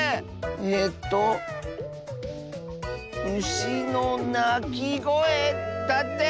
えと「うしのなきごえ」だって！